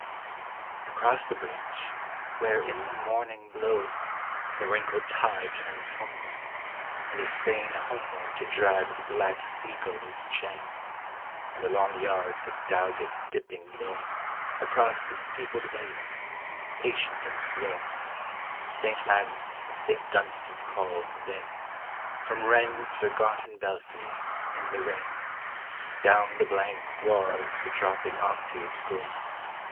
Across the bridge, where in the morning blow The wrinkled tide turns homeward, and is fain Homeward to drag the black sea goer's chain, And the long yards by Dowgate dipping low; Across dispeopled ways, patient and slow, Saint Magnus and Saint Dunstan call in vain: From Wren's forgotten belfries, in the rain, Down the blank wharves the dropping octaves go.